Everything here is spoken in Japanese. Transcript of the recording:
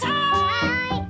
はい！